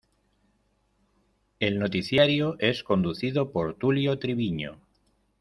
El noticiario es conducido por Tulio Triviño.